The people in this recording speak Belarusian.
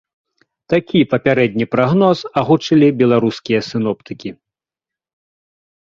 Такі папярэдні прагноз агучылі беларускія сіноптыкі.